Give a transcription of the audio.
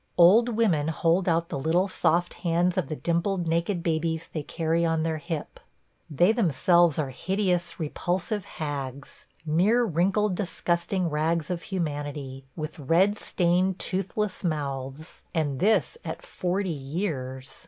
Old women hold out the little soft hands of the dimpled naked babies they carry on their hip. They themselves are hideous, repulsive hags – mere wrinkled, disgusting rags of humanity, with red stained, toothless mouths; and this at forty years.